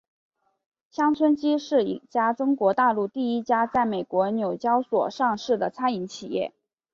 乡村基是一家中国大陆第一家在美国纽交所上市的餐饮企业。